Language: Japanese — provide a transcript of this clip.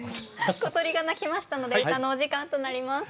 小鳥が鳴きましたので歌のお時間となります。